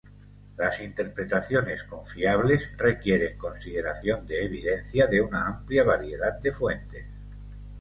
Las interpretaciones confiables requieren consideración de evidencia de una amplia variedad de fuentes.